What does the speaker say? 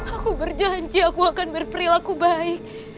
aku berjanji aku akan berperilaku baik